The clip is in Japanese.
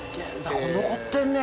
これ残ってんねや。